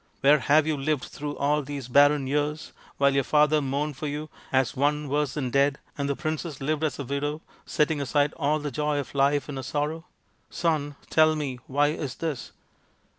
Where have you lived through all these barren years while your father mourned for you as one worse than dead, and the princess lived as a widow, setting aside all the joy of life in her sorrow ? Son ! tell me, why is this